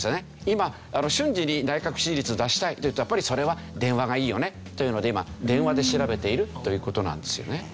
今瞬時に内閣支持率を出したいっていうとやっぱりそれは電話がいいよねというので今電話で調べているという事なんですよね。